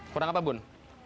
kurang apa bun